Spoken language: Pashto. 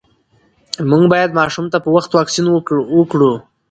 مور باید ماشوم ته په وخت واکسین وکړي۔